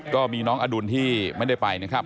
ก็มีน้องอดุลที่ไม่ได้ไปนะครับ